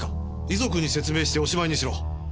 遺族に説明しておしまいにしろ。